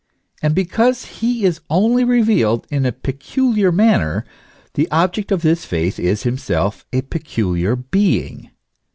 And because he is only revealed in a peculiar manner, the object of this faith is himself a peculiar being.